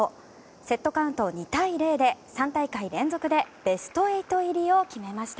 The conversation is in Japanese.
セットカウント２対０で３大会連続でベスト８入りを決めました。